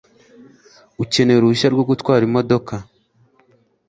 ukeneye uruhushya rwo gutwara imodoka